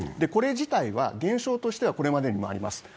これ自体は、現象としてはこれまでにあります。